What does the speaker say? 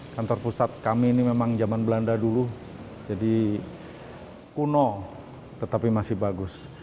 kantor pusat kami ini memang zaman belanda dulu jadi kuno tetapi masih bagus